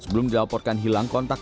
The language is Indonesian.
p lipat ketika nadu